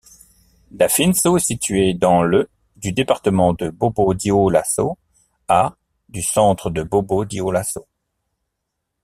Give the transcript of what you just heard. Dafinso est située dans le du département de Bobo-Dioulasso, à du centre de Bobo-Dioulasso.